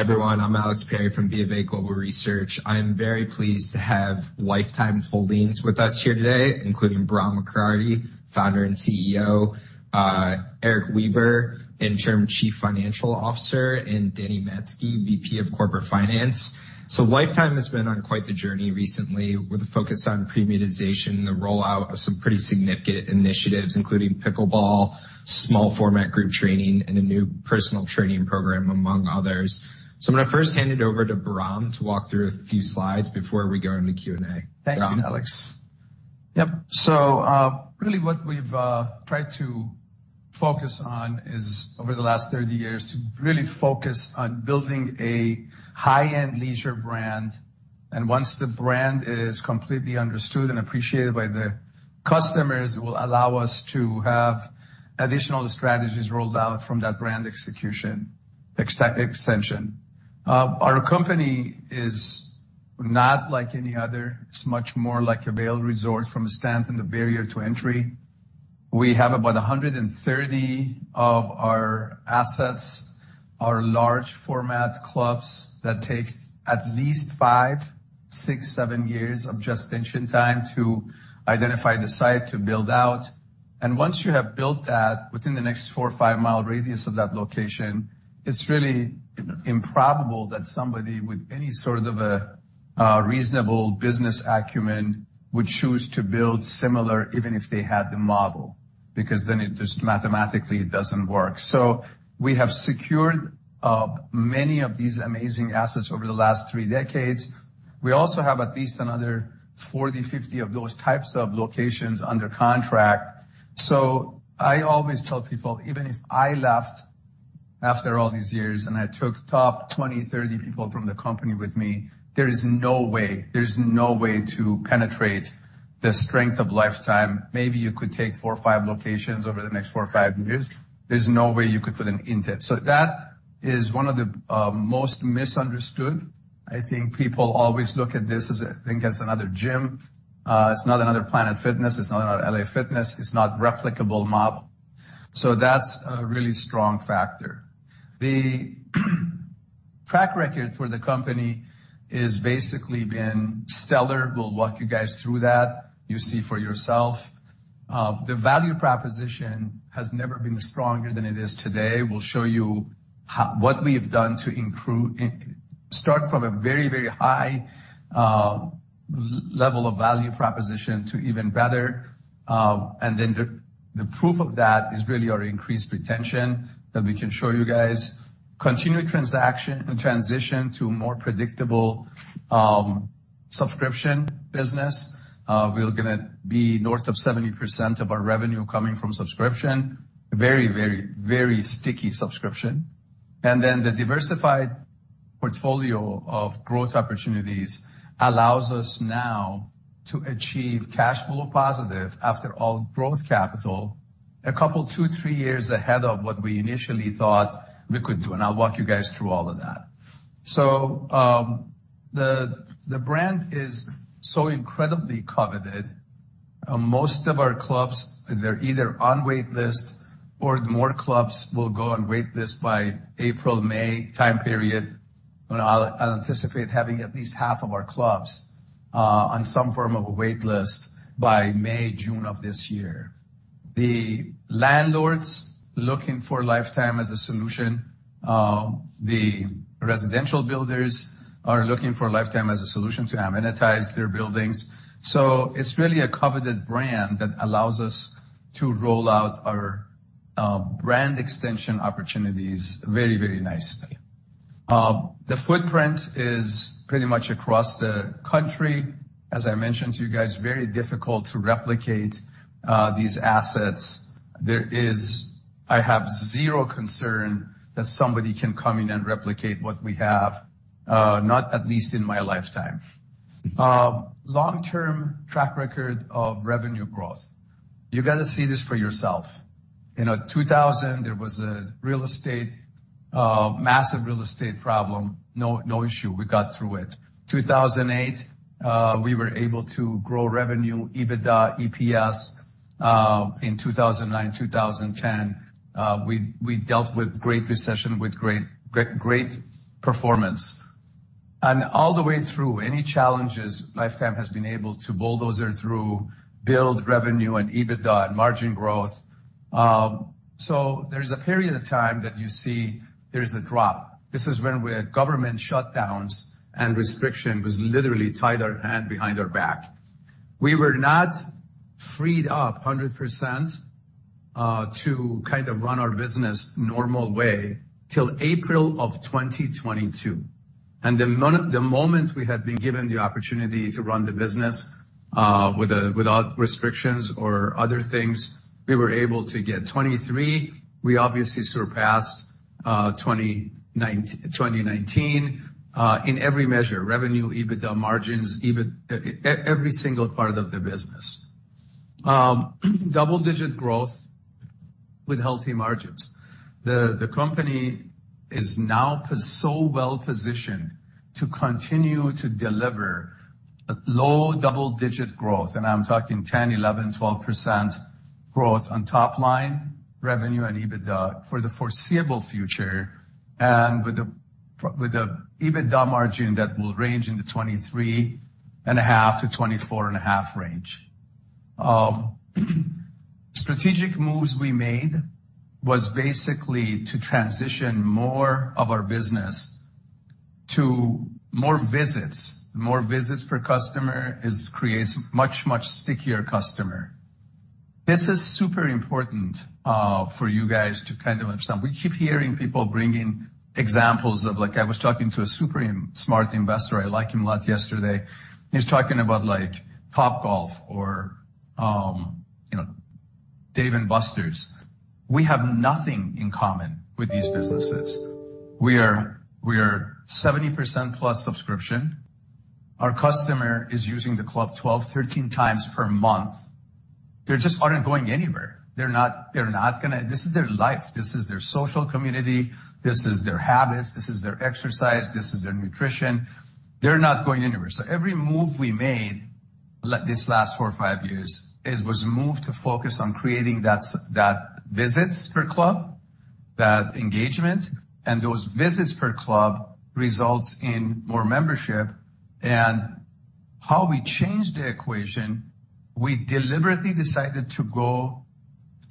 Hi everyone, I'm Alex Perry from BofA Global Research. I am very pleased to have Life Time Group Holdings with us here today, including Bahram Akradi, Founder and CEO, Erik Weaver, Interim Chief Financial Officer, and Danny Metsky, VP of Corporate Finance. Life Time has been on quite the journey recently with a focus on premiumization and the rollout of some pretty significant initiatives, including pickleball, small format group training, and a new personal training program, among others. I'm going to first hand it over to Bahram to walk through a few slides before we go into Q&A. Thank you, Alex. Yep, so really what we've tried to focus on is, over the last 30 years, to really focus on building a high-end leisure brand. Once the brand is completely understood and appreciated by the customers, it will allow us to have additional strategies rolled out from that brand execution extension. Our company is not like any other. It's much more like a Vail resort from a standpoint of the barrier to entry. We have about 130 of our assets are large format clubs that take at least five, six, secen years of just the time to identify the site to build out. Once you have built that within the next 4 or 5 mi radius of that location, it's really improbable that somebody with any sort of a reasonable business acumen would choose to build similar even if they had the model, because then it just mathematically doesn't work. So we have secured many of these amazing assets over the last three decades. We also have at least another 40-50 of those types of locations under contract. So I always tell people, even if I left after all these years and I took top 20-30 people from the company with me, there is no way. There is no way to penetrate the strength of Life Time. Maybe you could take four or five locations over the next four or five years. There's no way you could put an end to it. So that is one of the most misunderstood. I think people always look at this as think it's another gym. It's not another Planet Fitness. It's not another LA Fitness. It's not replicable model. So that's a really strong factor. The track record for the company has basically been stellar. We'll walk you guys through that. You'll see for yourself. The value proposition has never been stronger than it is today. We'll show you what we have done to start from a very, very high level of value proposition to even better. And then the proof of that is really our increased retention that we can show you guys, continued transition to a more predictable subscription business. We're going to be north of 70% of our revenue coming from subscription, a very, very, very sticky subscription. And then the diversified portfolio of growth opportunities allows us now to achieve cash flow positive after all growth capital a couple, two, three years ahead of what we initially thought we could do. I'll walk you guys through all of that. So the brand is so incredibly coveted. Most of our clubs, they're either on waitlist or more clubs will go on waitlist by April, May time period. I'll anticipate having at least half of our clubs on some form of a waitlist by May, June of this year. The landlords looking for Life Time as a solution. The residential builders are looking for Life Time as a solution to amenitize their buildings. So it's really a coveted brand that allows us to roll out our brand extension opportunities very, very nicely. The footprint is pretty much across the country. As I mentioned to you guys, very difficult to replicate these assets. I have zero concern that somebody can come in and replicate what we have, not at least in my lifetime. Long-term track record of revenue growth. You got to see this for yourself. In 2000, there was a massive real estate problem. No issue. We got through it. 2008, we were able to grow revenue, EBITDA, EPS. In 2009, 2010, we dealt with great recession with great performance. All the way through any challenges, Life Time has been able to bulldozer through, build revenue and EBITDA and margin growth. So there's a period of time that you see there's a drop. This is when we had government shutdowns and restriction was literally tied our hand behind our back. We were not freed up 100% to kind of run our business normal way till April of 2022. And the moment we had been given the opportunity to run the business without restrictions or other things, we were able to get 2023. We obviously surpassed 2019 in every measure: revenue, EBITDA, margins, every single part of the business. Double-digit growth with healthy margins. The company is now so well positioned to continue to deliver low double-digit growth. And I'm talking 10, 11, 12% growth on top line revenue and EBITDA for the foreseeable future and with an EBITDA margin that will range in the 23.5%-24.5% range. Strategic moves we made were basically to transition more of our business to more visits. More visits per customer creates much, much stickier customer. This is super important for you guys to kind of understand. We keep hearing people bringing examples of I was talking to a super smart investor. I liked him a lot yesterday. He was talking about Topgolf or Dave & Buster's. We have nothing in common with these businesses. We are 70%+ subscription. Our customer is using the club 12, 13 times per month. They just aren't going anywhere. They're not going to. This is their life. This is their social community. This is their habits. This is their exercise. This is their nutrition. They're not going anywhere. So every move we made this last four or five years was a move to focus on creating that visits per club, that engagement. And those visits per club result in more membership. And how we changed the equation, we deliberately decided to go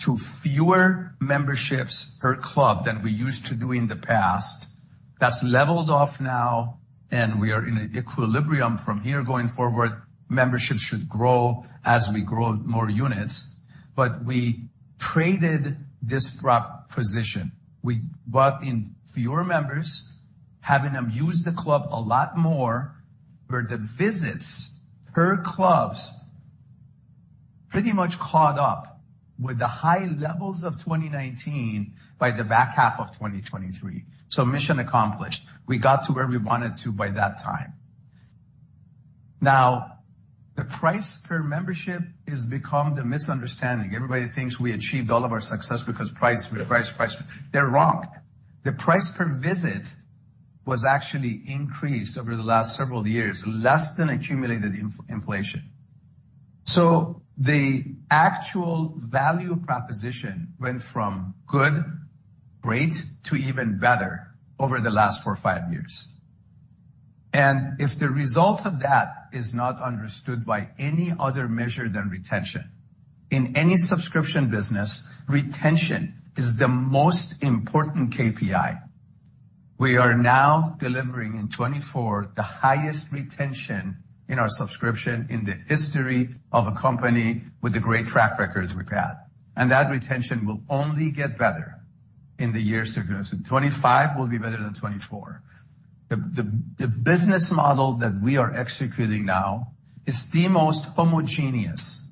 to fewer memberships per club than we used to do in the past. That's leveled off now, and we are in an equilibrium from here going forward. Memberships should grow as we grow more units. But we traded this proposition. We brought in fewer members, having them use the club a lot more, where the visits per club pretty much caught up with the high levels of 2019 by the back half of 2023. So mission accomplished. We got to where we wanted to by that time. Now, the price per membership has become the misunderstanding. Everybody thinks we achieved all of our success because price, price, price. They're wrong. The price per visit was actually increased over the last several years, less than accumulated inflation. So the actual value proposition went from good, great, to even better over the last four or five years. And if the result of that is not understood by any other measure than retention, in any subscription business, retention is the most important KPI. We are now delivering in 2024 the highest retention in our subscription in the history of a company with the great track records we've had. And that retention will only get better in the years to come. So 2025 will be better than 2024. The business model that we are executing now is the most homogeneous,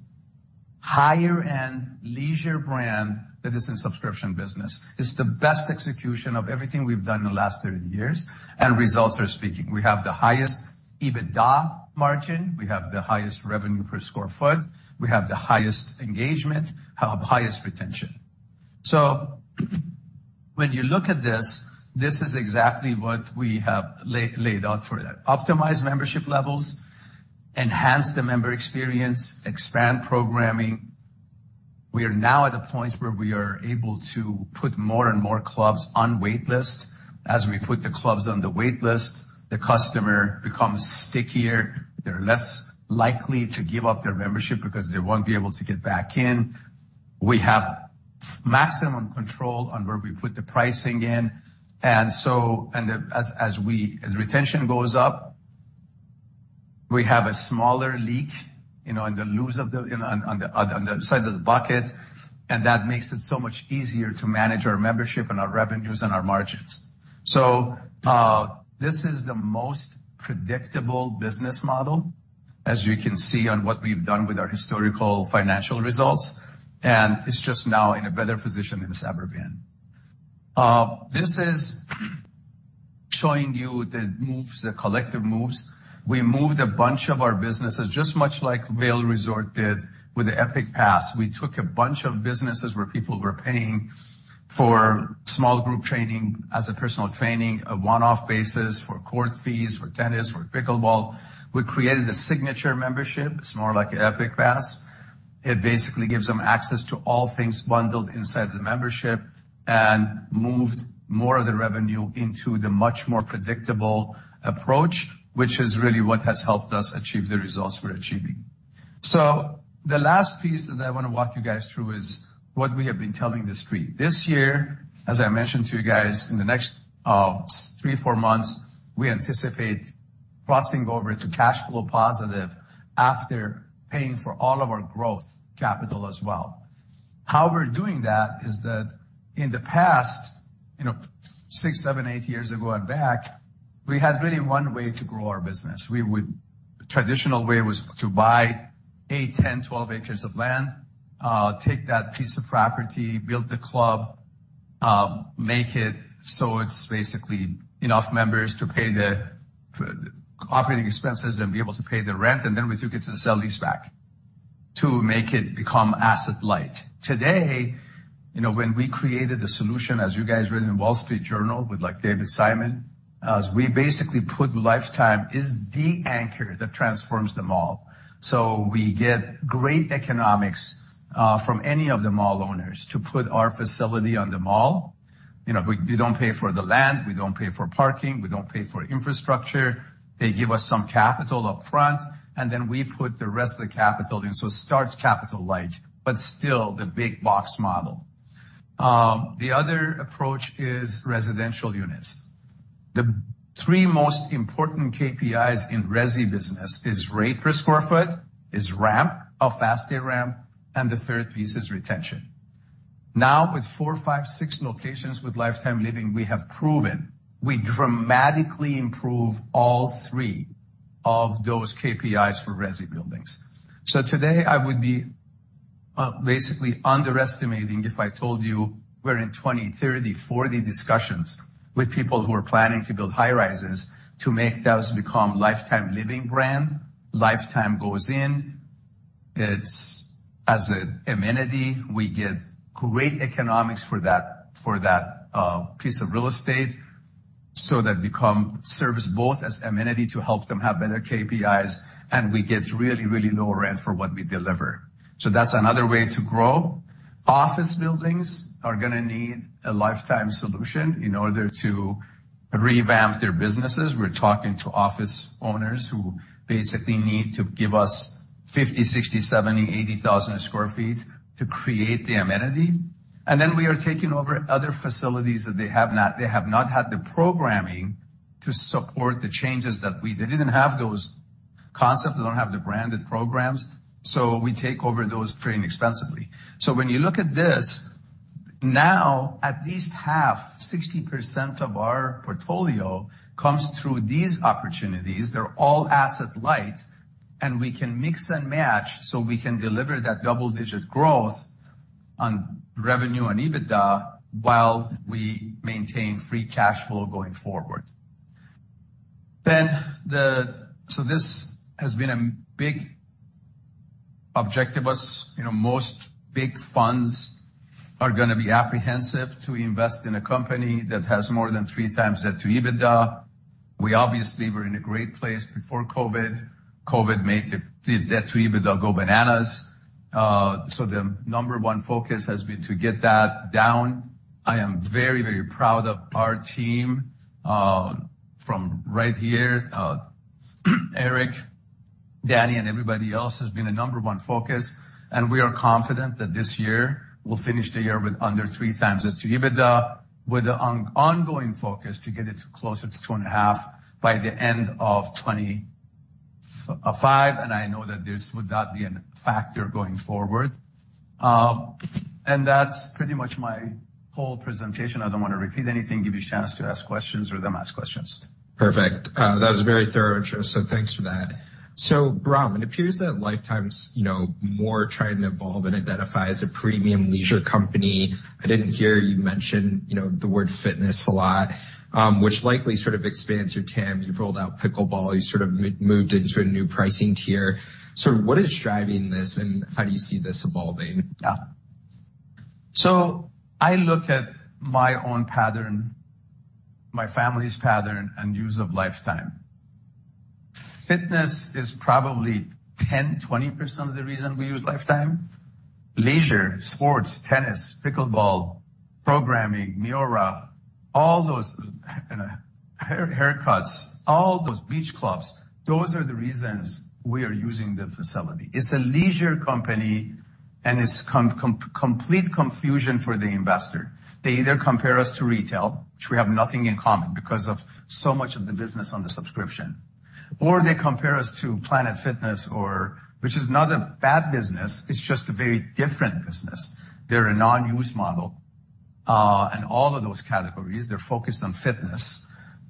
higher-end leisure brand that is in subscription business. It's the best execution of everything we've done in the last 30 years, and results are speaking. We have the highest EBITDA margin. We have the highest revenue per sq ft. We have the highest engagement, highest retention. So when you look at this, this is exactly what we have laid out for that: optimize membership levels, enhance the member experience, expand programming. We are now at a point where we are able to put more and more clubs on waitlist. As we put the clubs on the waitlist, the customer becomes stickier. They're less likely to give up their membership because they won't be able to get back in. We have maximum control on where we put the pricing in. And as retention goes up, we have a smaller leak in the loss on the side of the bucket. And that makes it so much easier to manage our membership and our revenues and our margins. So this is the most predictable business model, as you can see on what we've done with our historical financial results. And it's just now in a better position than the pre-pandemic. This is showing you the collective moves. We moved a bunch of our businesses just much like Vail Resorts did with the Epic Pass. We took a bunch of businesses where people were paying for small group training as a personal training on a one-off basis for court fees, for tennis, for pickleball. We created a Signature Membership. It's more like an Epic Pass. It basically gives them access to all things bundled inside the membership and moved more of the revenue into the much more predictable approach, which is really what has helped us achieve the results we're achieving. So the last piece that I want to walk you guys through is what we have been telling the street. This year, as I mentioned to you guys, in the next three to four months, we anticipate crossing over to cash flow positive after paying for all of our growth capital as well. How we're doing that is that in the past, six, seven, eight years ago and back, we had really one way to grow our business. The traditional way was to buy eight, 10, 12 acres of land, take that piece of property, build the club, make it so it's basically enough members to pay the operating expenses and be able to pay the rent, and then we took it to the sale-leaseback to make it become asset-light. Today, when we created the solution, as you guys read in Wall Street Journal with David Simon, we basically put Life Time as the anchor that transforms the mall. So we get great economics from any of the mall owners to put our facility on the mall. We don't pay for the land. We don't pay for parking. We don't pay for infrastructure. They give us some capital upfront, and then we put the rest of the capital in. So it starts capital light, but still the big box model. The other approach is residential units. The three most important KPIs in resi business are rate per sq ft, ramp, how fast they ramp, and the third piece is retention. Now, with four, five, six locations with Life Time Living, we have proven we dramatically improve all three of those KPIs for resi buildings. So today, I would be basically underestimating if I told you we're in 20, 30, 40 discussions with people who are planning to build high rises to make those become Life Time Living brand. Life Time goes in as an amenity. We get great economics for that piece of real estate so that it becomes serviced both as amenity to help them have better KPIs, and we get really, really low rent for what we deliver. So that's another way to grow. Office buildings are going to need a Life Time solution in order to revamp their businesses. We're talking to office owners who basically need to give us 50,000, 60,000, 70,000, 80,000 sq ft to create the amenity. And then we are taking over other facilities that they have not had the programming to support the changes that they didn't have those concepts. They don't have the branded programs. So we take over those fairly inexpensively. So when you look at this, now at least half, 60% of our portfolio comes through these opportunities. They're all asset light, and we can mix and match so we can deliver that double-digit growth on revenue and EBITDA while we maintain free cash flow going forward. So this has been a big objective. Most big funds are going to be apprehensive to invest in a company that has more than three times debt to EBITDA. We obviously were in a great place before COVID. COVID made the debt to EBITDA go bananas. So the number one focus has been to get that down. I am very, very proud of our team from right here. Erik, Danny, and everybody else has been a number one focus. And we are confident that this year, we'll finish the year with under three times debt to EBITDA with an ongoing focus to get it closer to 2.5 by the end of 2025. I know that this would not be a factor going forward. That's pretty much my whole presentation. I don't want to repeat anything, give you a chance to ask questions or them ask questions. Perfect. That was very thorough, Josh. So, Bahram, it appears that Life Time's more trying to evolve and identify as a premium leisure company. I didn't hear you mention the word fitness a lot, which likely sort of expands your TAM. You've rolled out pickleball. You sort of moved into a new pricing tier. So what is driving this, and how do you see this evolving? Yeah. So I look at my own pattern, my family's pattern, and use of Life Time. Fitness is probably 10%-20% of the reason we use Life Time. Leisure, sports, tennis, pickleball, programming, Miora, all those haircuts, all those beach clubs, those are the reasons we are using the facility. It's a leisure company, and it's complete confusion for the investor. They either compare us to retail, which we have nothing in common because of so much of the business on the subscription, or they compare us to Planet Fitness, which is not a bad business. It's just a very different business. They're a non-use model. And all of those categories, they're focused on fitness.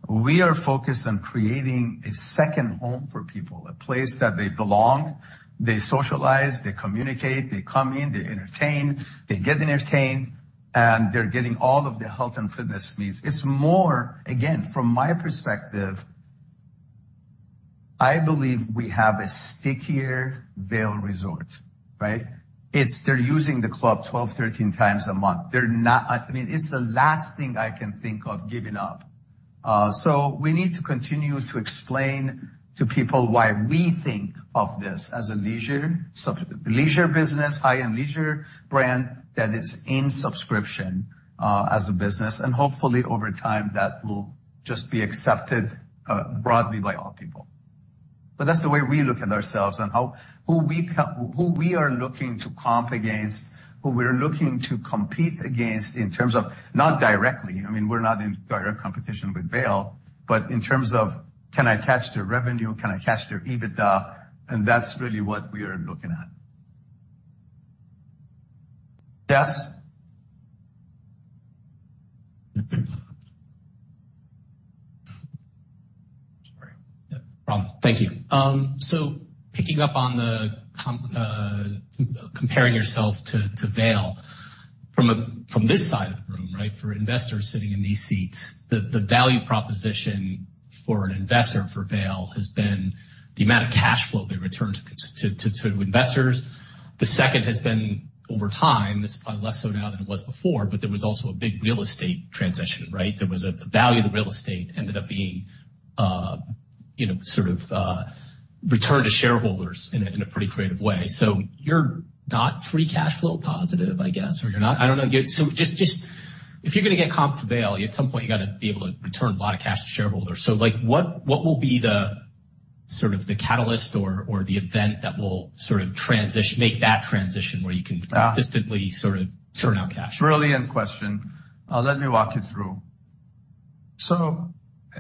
We are focused on creating a second home for people, a place that they belong, they socialize, they communicate, they come in, they entertain, they get entertained, and they're getting all of the health and fitness needs. It's more, again, from my perspective, I believe we have a stickier Vail Resorts, right? They're using the club 12, 13 times a month. I mean, it's the last thing I can think of giving up. So we need to continue to explain to people why we think of this as a leisure business, high-end leisure brand that is in subscription as a business. And hopefully, over time, that will just be accepted broadly by all people. But that's the way we look at ourselves and who we are looking to comp against, who we're looking to compete against in terms of not directly. I mean, we're not in direct competition with Vail, but in terms of, "Can I catch their revenue? Can I catch their EBITDA?" And that's really what we are looking at. Yes? Sorry. Yeah. Bhram, thank you. So picking up on the comparing yourself to Vail from this side of the room, right, for investors sitting in these seats, the value proposition for an investor for Vail has been the amount of cash flow they return to investors. The second has been over time. This is probably less so now than it was before, but there was also a big real estate transition, right? The value of the real estate ended up being sort of returned to shareholders in a pretty creative way. So you're not free cash flow positive, I guess, or you're not? I don't know. So if you're going to get comp for Vail, at some point, you got to be able to return a lot of cash to shareholders. So what will be sort of the catalyst or the event that will sort of make that transition where you can consistently sort of churn out cash? Brilliant question. Let me walk you through. So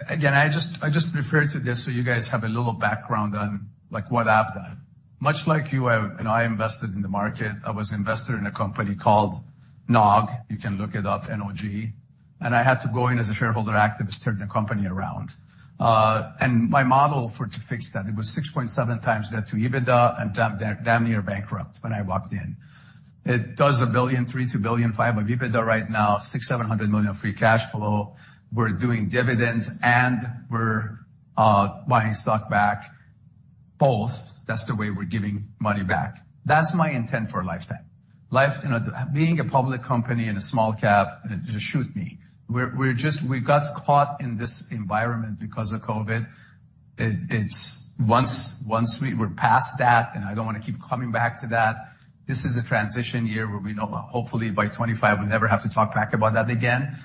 again, I just referred to this so you guys have a little background on what I've done. Much like you, I invested in the market. I was an investor in a company called NOG. You can look it up, NOG. And I had to go in as a shareholder activist, turn the company around. And my model to fix that, it was 6.7x debt to EBITDA, and damn near bankrupt when I walked in. It does $1.3 billion-$2.5 billion of EBITDA right now, $600 million-$700 million of free cash flow. We're doing dividends, and we're buying stock back. Both, that's the way we're giving money back. That's my intent for Life Time. Being a public company and a small cap, just shoot me. We got caught in this environment because of COVID. Once we were past that, and I don't want to keep coming back to that, this is a transition year where we know hopefully, by 2025, we'll never have to talk back about that again.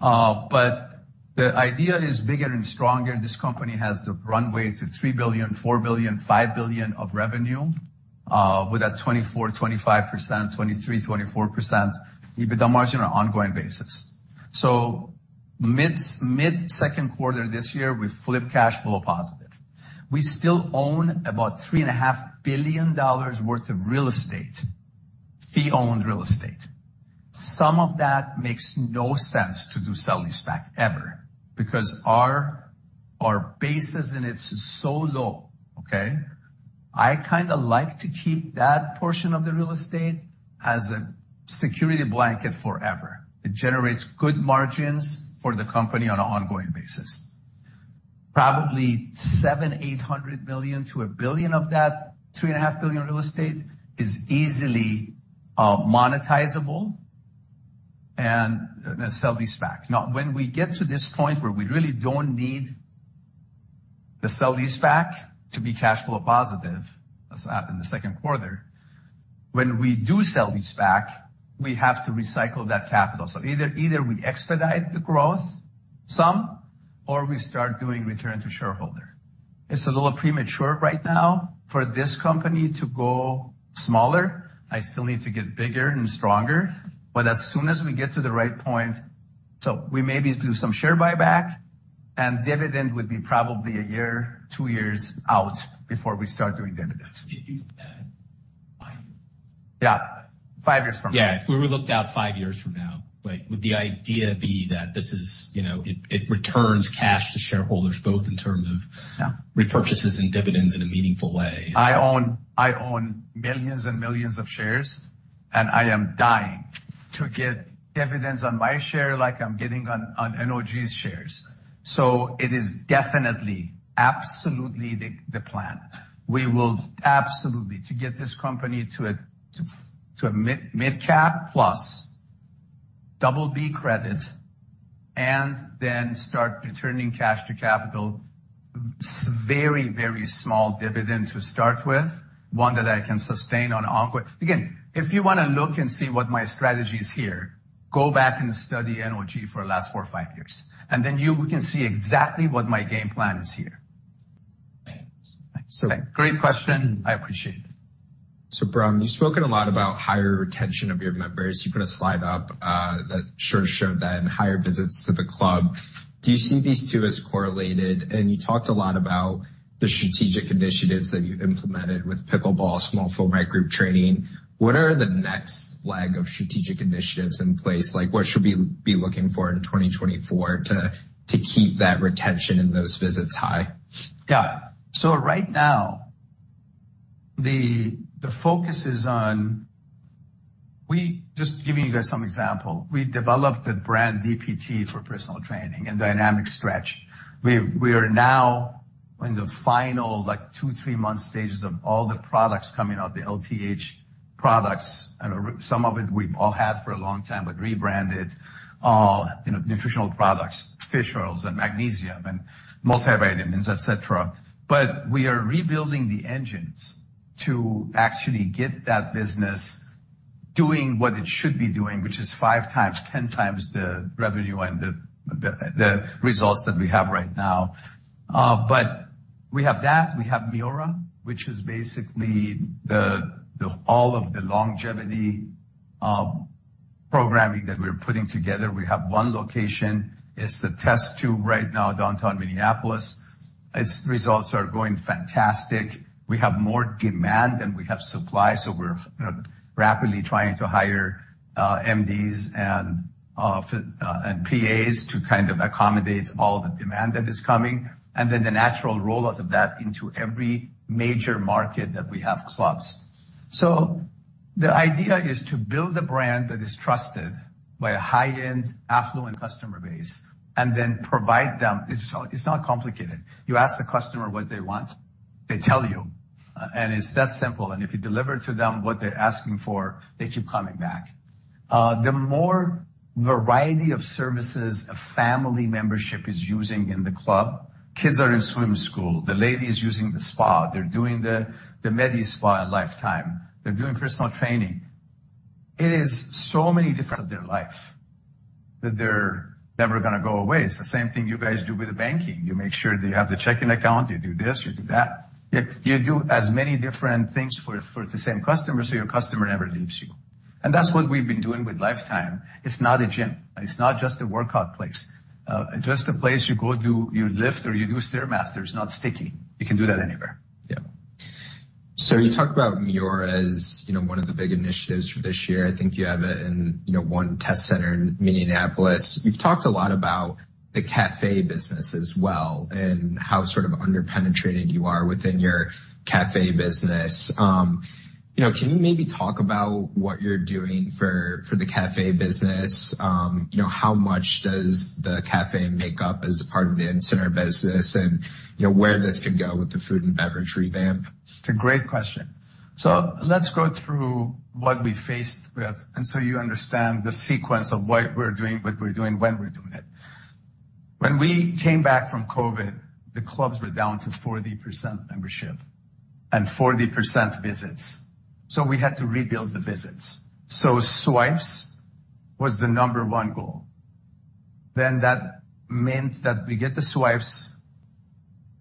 But the idea is bigger and stronger. This company has the runway to $3 billion, $4 billion, $5 billion of revenue with a 24%-25%, 23%-24% EBITDA margin on an ongoing basis. So mid-second quarter this year, we flipped cash flow positive. We still own about $3.5 billion worth of real estate, fee-owned real estate. Some of that makes no sense to do sale-leaseback ever because our basis in it's so low, okay? I kind of like to keep that portion of the real estate as a security blanket forever. It generates good margins for the company on an ongoing basis. Probably $700 million-$800 million-$1 billion of that $3.5 billion real estate is easily monetizable and sale-leaseback. When we get to this point where we really don't need the sale-leaseback to be cash flow positive in the second quarter, when we do sale-leaseback, we have to recycle that capital. So either we expedite the growth some, or we start doing return to shareholder. It's a little premature right now for this company to go smaller. I still need to get bigger and stronger. But as soon as we get to the right point so we maybe do some share buyback, and dividend would be probably a year, two years out before we start doing dividends. If you looked at it, five years from now. Yeah. Five years from now. Yeah. If we were looked at five years from now, would the idea be that this is it returns cash to shareholders both in terms of repurchases and dividends in a meaningful way? I own millions and millions of shares, and I am dying to get dividends on my share like I'm getting on NOG's shares. So it is definitely, absolutely the plan. We will absolutely get this company to a mid-cap plus double B credit and then start returning cash to capital, very, very small dividend to start with, one that I can sustain on an ongoing again, if you want to look and see what my strategy is here, go back and study NOG for the last four, five years. And then we can see exactly what my game plan is here. Thanks. Great question. I appreciate it. So, Bhram, you've spoken a lot about higher retention of your members. You put a slide up that sort of showed them higher visits to the club. Do you see these two as correlated? And you talked a lot about the strategic initiatives that you implemented with pickleball, small format group training. What are the next leg of strategic initiatives in place? What should we be looking for in 2024 to keep that retention and those visits high? Yeah. So right now, the focus is on just giving you guys some example. We developed the brand DPT for personal training and dynamic stretch. We are now in the final two to three month stages of all the products coming out, the LTH products. Some of it we've all had for a long time, but rebranded nutritional products, fish oils and magnesium and multivitamins, etc. But we are rebuilding the engines to actually get that business doing what it should be doing, which is 5x, 10x the revenue and the results that we have right now. But we have that. We have Miora, which is basically all of the longevity programming that we're putting together. We have one location. It's the test tube right now downtown Minneapolis. Its results are going fantastic. We have more demand than we have supply. So we're rapidly trying to hire MDs and PAs to kind of accommodate all the demand that is coming and then the natural rollout of that into every major market that we have clubs. So the idea is to build a brand that is trusted by a high-end, affluent customer base and then provide them. It's not complicated. You ask the customer what they want. They tell you. And it's that simple. And if you deliver to them what they're asking for, they keep coming back. The more variety of services a family membership is using in the club kids are in swim school. The lady is using the spa. They're doing the MediSpa in Life Time. They're doing personal training. It is so many different of their life that they're never going to go away. It's the same thing you guys do with the banking. You make sure that you have the checking account. You do this. You do that. You do as many different things for the same customer so your customer never leaves you. And that's what we've been doing with Life Time. It's not a gym. It's not just a workout place, just a place you go do your lift or you do stair master. It's not sticky. You can do that anywhere. Yeah. So you talked about Miora as one of the big initiatives for this year. I think you have it in one test center in Minneapolis. You've talked a lot about the café business as well and how sort of underpenetrated you are within your café business. Can you maybe talk about what you're doing for the café business? How much does the café make up as part of the in-center business and where this could go with the food and beverage revamp? It's a great question. So let's go through what we faced with and so you understand the sequence of what we're doing, what we're doing, when we're doing it. When we came back from COVID, the clubs were down to 40% membership and 40% visits. So we had to rebuild the visits. So swipes was the number one goal. Then that meant that we get the swipes.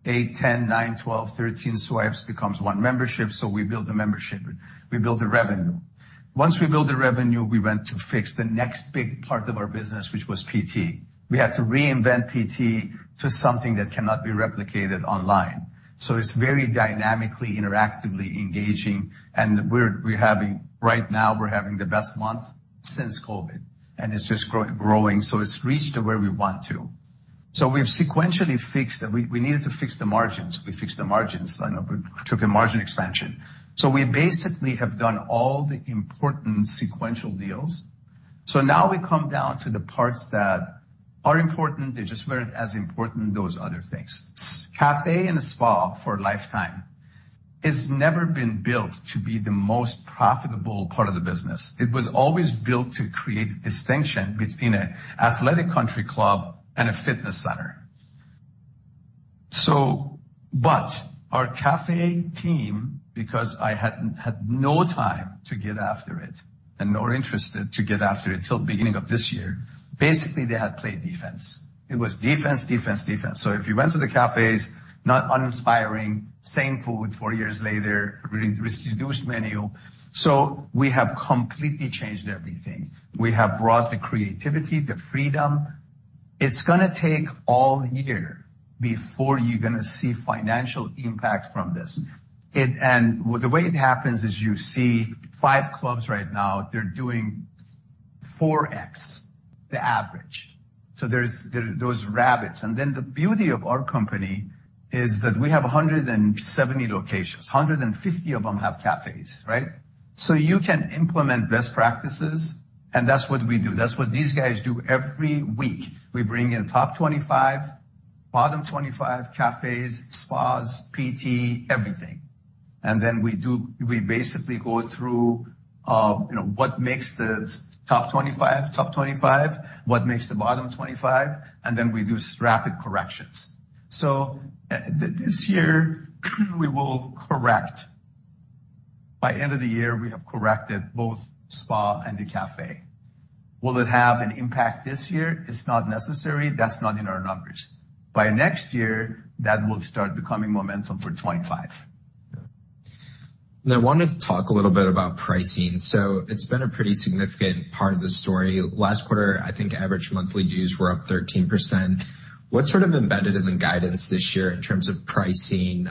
8, 10, 9, 12, 13 swipes becomes one membership. So we build the membership. We build the revenue. Once we build the revenue, we went to fix the next big part of our business, which was PT. We had to reinvent PT to something that cannot be replicated online. So it's very dynamically, interactively engaging. And right now, we're having the best month since COVID. And it's just growing. So it's reached to where we want to. So we've sequentially fixed we needed to fix the margins. We fixed the margins. We took a margin expansion. So we basically have done all the important sequential deals. So now we come down to the parts that are important. They just weren't as important, those other things. Café and a spa for Life Time has never been built to be the most profitable part of the business. It was always built to create a distinction between an athletic country club and a fitness center. But our café team, because I had no time to get after it and nor interested to get after it till the beginning of this year, basically, they had played defense. It was defense, defense, defense. So if you went to the cafés, not uninspiring, same food four years later, reduced menu. So we have completely changed everything. We have brought the creativity, the freedom. It's going to take all year before you're going to see financial impact from this. The way it happens is you see 5 clubs right now. They're doing 4x the average. So there's those rabbits. Then the beauty of our company is that we have 170 locations. 150 of them have cafés, right? So you can implement best practices. That's what we do. That's what these guys do every week. We bring in top 25, bottom 25 cafés, spas, PT, everything. Then we basically go through what makes the top 25 top 25, what makes the bottom 25, and then we do rapid corrections. This year, we will correct. By end of the year, we have corrected both spa and the café. Will it have an impact this year? It's not necessary. That's not in our numbers. By next year, that will start becoming momentum for 2025. Yeah. Now, I wanted to talk a little bit about pricing. It's been a pretty significant part of the story. Last quarter, I think average monthly dues were up 13%. What's sort of embedded in the guidance this year in terms of pricing?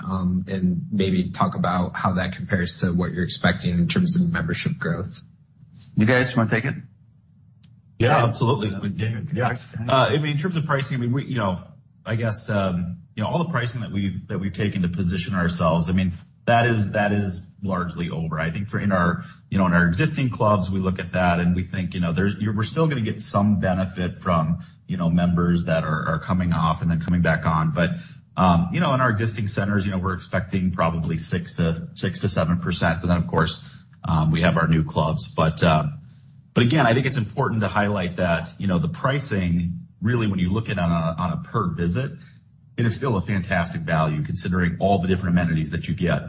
And maybe talk about how that compares to what you're expecting in terms of membership growth. You guys want to take it? Yeah, absolutely. I mean, in terms of pricing, I mean, I guess all the pricing that we've taken to position ourselves, I mean, that is largely over. I think in our existing clubs, we look at that, and we think we're still going to get some benefit from members that are coming off and then coming back on. But in our existing centers, we're expecting probably 6%-7%. But then, of course, we have our new clubs. But again, I think it's important to highlight that the pricing, really, when you look at it on a per visit, it is still a fantastic value considering all the different amenities that you get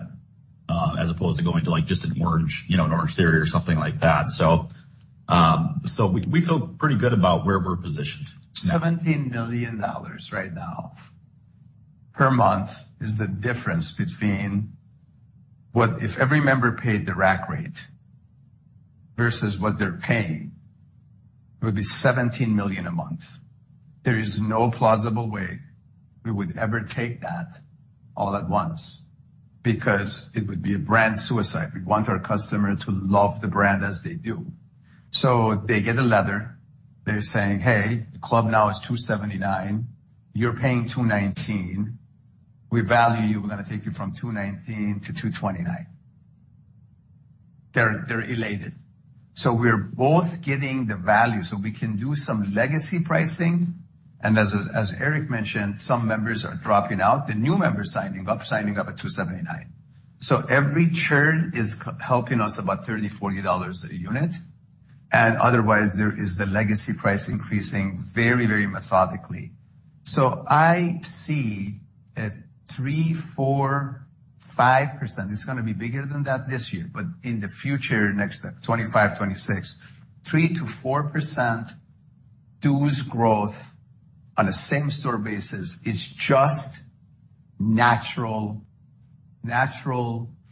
as opposed to going to just an Orangetheory or something like that. So we feel pretty good about where we're positioned. $17 million right now per month is the difference between if every member paid the rack rate versus what they're paying; it would be $17 million a month. There is no plausible way we would ever take that all at once because it would be a brand suicide. We want our customer to love the brand as they do. So they get a letter. They're saying, "Hey, the club now is $279. You're paying $219. We value you. We're going to take you from $219-$229." They're elated. So we're both getting the value. So we can do some legacy pricing. And as Erik mentioned, some members are dropping out. The new members signing up, signing up at $279. So every churn is helping us about $30-$40 a unit. And otherwise, there is the legacy price increasing very, very methodically. So I see a 3%-5%. It's going to be bigger than that this year, but in the future, next step, 2025, 2026, 3%-4% dues growth on a same-store basis is just natural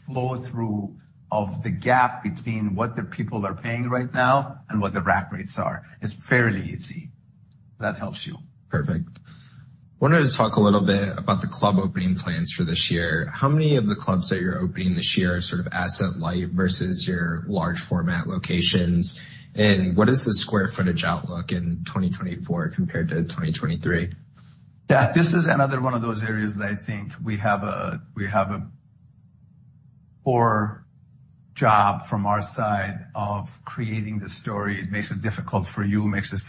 flow-through of the gap between what the people are paying right now and what the rack rates are. It's fairly easy. That helps you. Perfect. I wanted to talk a little bit about the club opening plans for this year. How many of the clubs that you're opening this year are sort of asset-light versus your large-format locations? And what is the square footage outlook in 2024 compared to 2023? Yeah. This is another one of those areas that I think we have a poor job from our side of creating the story. It makes it difficult for you. It makes it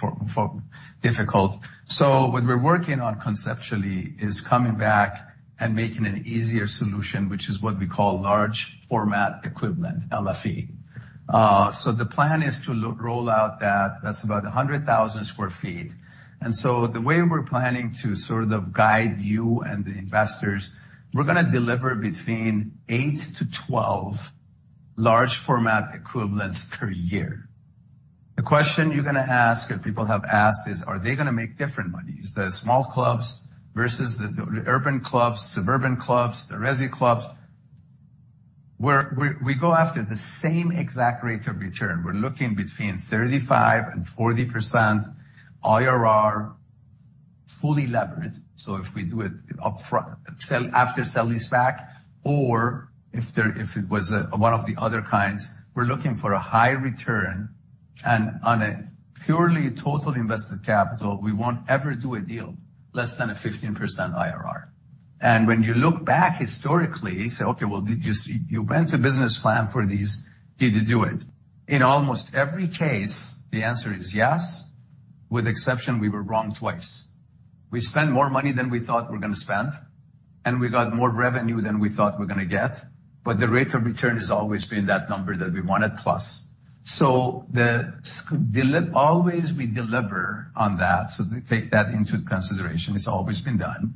difficult. So what we're working on conceptually is coming back and making an easier solution, which is what we call Large-Format Equivalent (LFE). So the plan is to roll out that. That's about 100,000 sq ft. And so the way we're planning to sort of guide you and the investors, we're going to deliver between 8-12 Large-Format Equivalents per year. The question you're going to ask, if people have asked, is, "Are they going to make different monies? The small clubs versus the urban clubs, suburban clubs, the resi clubs?" We go after the same exact rate of return. We're looking between 35%-40% IRR, fully leveraged. So if we do it after sale-leaseback or if it was one of the other kinds, we're looking for a high return. On a purely total invested capital, we won't ever do a deal less than a 15% IRR. When you look back historically, say, "Okay, well, did you went to business plan for these? Did you do it?" In almost every case, the answer is yes, with the exception we were wrong twice. We spent more money than we thought we're going to spend, and we got more revenue than we thought we're going to get. The rate of return has always been that number that we wanted plus. Always, we deliver on that. Take that into consideration. It's always been done.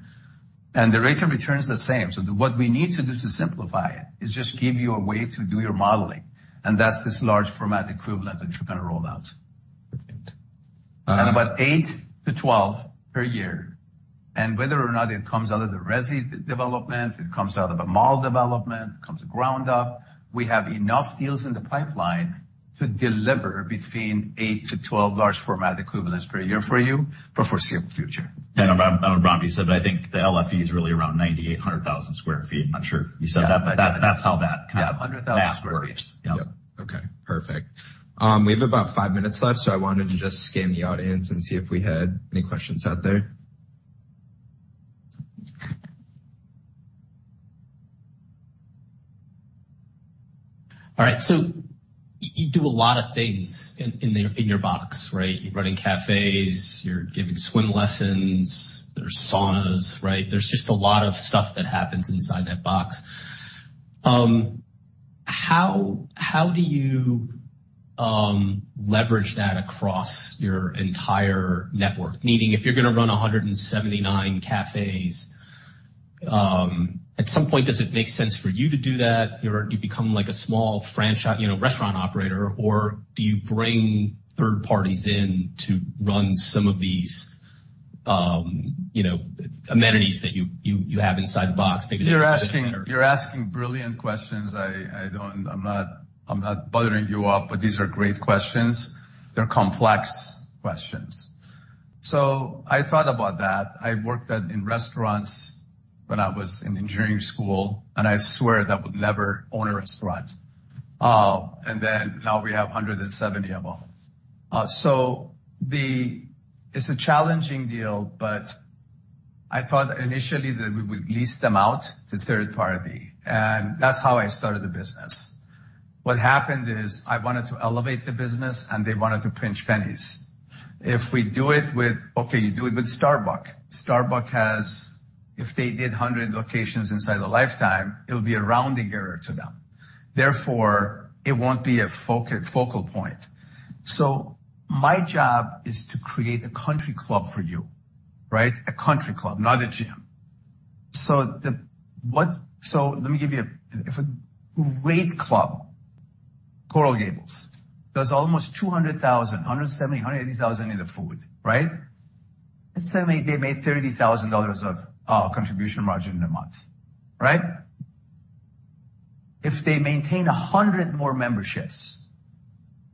The rate of return is the same. What we need to do to simplify it is just give you a way to do your modeling. That's this large-format equivalent that you're going to roll out. About 8-12 per year. Whether or not it comes out of the resi development, it comes out of a mall development, it comes ground up, we have enough deals in the pipeline to deliver between 8-12 large-format equivalents per year for you for foreseeable future. I don't know if you said it, but I think the LFE is really around 9,800,000 sq ft. I'm not sure if you said that, but that's how that kind of maps for you. Yeah. 100,000 sq ft. Yeah. Okay. Perfect. We have about five minutes left, so I wanted to just scan the audience and see if we had any questions out there. All right. So you do a lot of things in your box, right? You're running cafés. You're giving swim lessons. There's saunas, right? There's just a lot of stuff that happens inside that box. How do you leverage that across your entire network? Meaning, if you're going to run 179 cafés, at some point, does it make sense for you to do that? You become a small restaurant operator, or do you bring third parties in to run some of these amenities that you have inside the box? Maybe they're different or. You're asking brilliant questions. I'm not buttering you up, but these are great questions. They're complex questions. So I thought about that. I worked in restaurants when I was in engineering school, and I swear that I would never own a restaurant. And then now we have 170 of them. So it's a challenging deal, but I thought initially that we would lease them out to third party. And that's how I started the business. What happened is I wanted to elevate the business, and they wanted to pinch pennies. If we do it with okay, you do it with Starbucks. If they did 100 locations inside of Life Time, it'll be a rounding error to them. Therefore, it won't be a focal point. So my job is to create a country club for you, right? A country club, not a gym. So let me give you a great club. Coral Gables does almost $200,000, $170,000, $180,000 in the food, right? And so they made $30,000 of contribution margin a month, right? If they maintain 100 more memberships,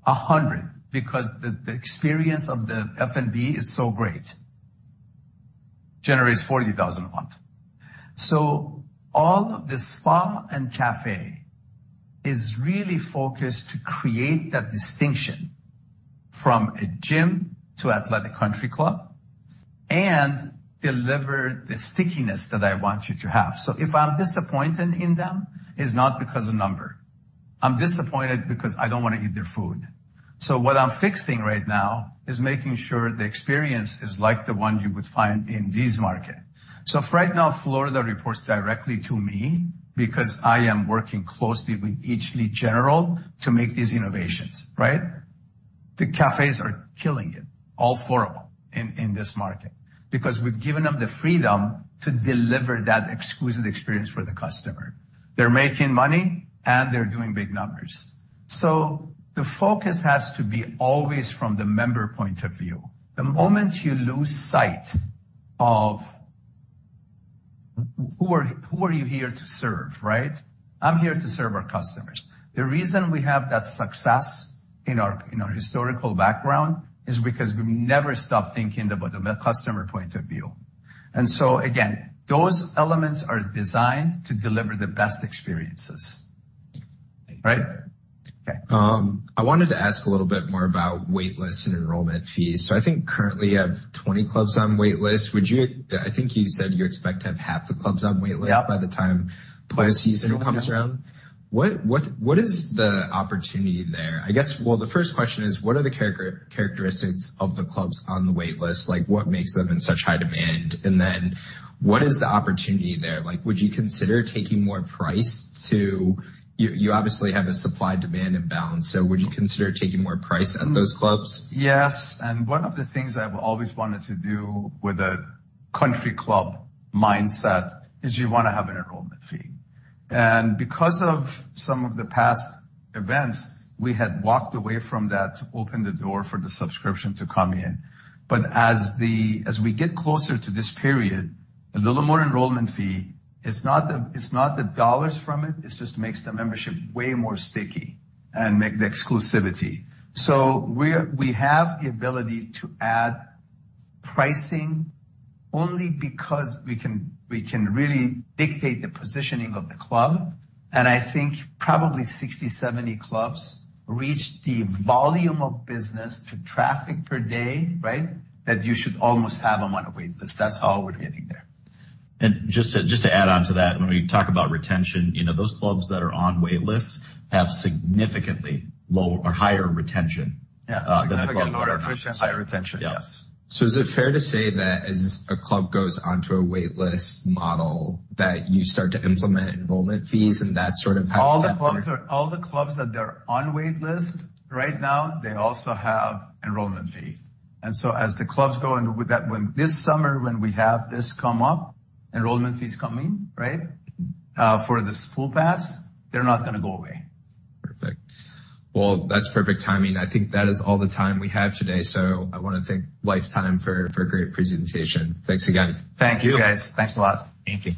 100, because the experience of the F&B is so great, generates $40,000 a month. So all of the spa and café is really focused to create that distinction from a gym to athletic country club and deliver the stickiness that I want you to have. So if I'm disappointed in them, it's not because of number. I'm disappointed because I don't want to eat their food. So what I'm fixing right now is making sure the experience is like the one you would find in these markets. So right now, Florida reports directly to me because I am working closely with each lead general to make these innovations, right? The cafés are killing it, all four of them, in this market because we've given them the freedom to deliver that exclusive experience for the customer. They're making money, and they're doing big numbers. So the focus has to be always from the member point of view. The moment you lose sight of who are you here to serve, right? I'm here to serve our customers. The reason we have that success in our historical background is because we never stop thinking about the customer point of view. And so again, those elements are designed to deliver the best experiences, right? Okay. I wanted to ask a little bit more about waitlist and enrollment fees. So I think currently, you have 20 clubs on waitlist. I think you said you expect to have half the clubs on waitlist by the time post-season comes around. What is the opportunity there? I guess, well, the first question is, what are the characteristics of the clubs on the waitlist? What makes them in such high demand? And then what is the opportunity there? Would you consider taking more price too? You obviously have a supply-demand imbalance. So would you consider taking more price at those clubs? Yes. And one of the things I've always wanted to do with a country club mindset is you want to have an enrollment fee. And because of some of the past events, we had walked away from that to open the door for the subscription to come in. But as we get closer to this period, a little more enrollment fee. It's not the dollars from it. It just makes the membership way more sticky and make the exclusivity. So we have the ability to add pricing only because we can really dictate the positioning of the club. And I think probably 60-70 clubs reach the volume of business to traffic per day, right, that you should almost have them on a waitlist. That's how we're getting there. Just to add on to that, when we talk about retention, those clubs that are on waitlists have significantly lower or higher retention than the clubs that aren't on. Yeah. I think a lot of efficient, high retention. Yes. Is it fair to say that as a club goes onto a waitlist model that you start to implement enrollment fees, and that's sort of how that? All the clubs that they're on waitlist right now, they also have enrollment fee. And so as the clubs go and this summer, when we have this come up, enrollment fees coming, right, for the school pass, they're not going to go away. Perfect. Well, that's perfect timing. I think that is all the time we have today. I want to thank Lifetime for a great presentation. Thanks again. Thank you, guys. Thanks a lot. Thank you.